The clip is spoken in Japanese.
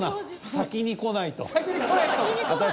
「先に来ないと」。